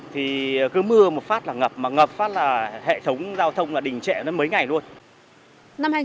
thì cứ mưa một phát là ngập mà ngập phát là hệ thống giao thông đỉnh trệ mấy ngày luôn